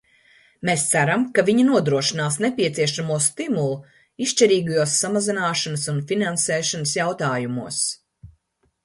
Mēs ceram, ka viņi nodrošinās nepieciešamo stimulu izšķirīgajos samazināšanas un finansēšanas jautājumos.